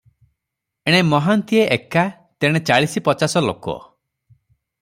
ଏଣେ ମହାନ୍ତିଏ ଏକା- ତେଣେ ଚାଳିଶ ପଚାଶ ଲୋକ ।